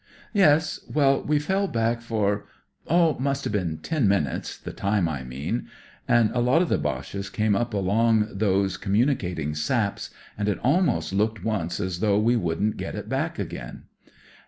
Yes. Well, we fell back for— oh, it must 've been ',. minutes, the tune I mean, and a lot I ^oches came up along those com uiui lcating saps, and it ahnost looked once as though we wouldn't get it back again."